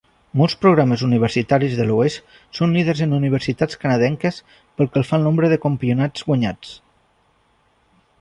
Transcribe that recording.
Molts programes universitaris de l'oest són líders en universitats canadenques pel que fa al nombre de campionats guanyats.